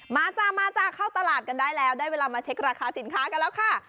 จ้ามาจ้าเข้าตลาดกันได้แล้วได้เวลามาเช็คราคาสินค้ากันแล้วค่ะ